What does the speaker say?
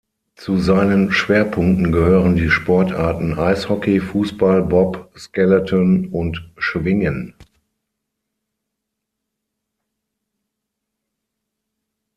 Zu seinen Schwerpunkten gehören die Sportarten Eishockey, Fussball, Bob, Skeleton und Schwingen.